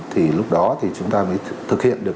thì lúc đó thì chúng ta mới thực hiện được